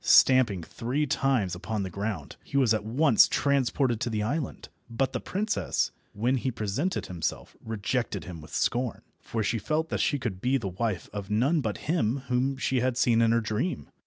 Stamping three times upon the ground, he was at once transported to the island, but the princess, when he presented himself, rejected him with scorn, for she felt that she could be the wife of none but him whom she had seen in her dream.